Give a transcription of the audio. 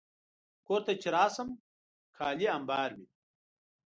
کور ته چې راشم، کالي امبار وي.